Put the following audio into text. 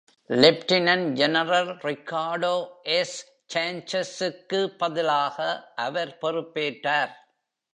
Lieutenant general Ricardo S. Sanchez க்கு பதிலாக அவர் பொறுப்பேற்றார்.